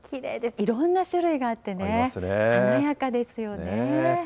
いろんな種類があってね、華やかですよね。